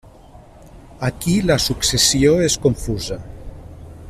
Aquí la successió és confusa.